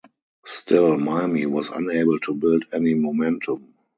Still, Miami was unable to build any momentum.